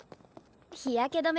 日焼け止め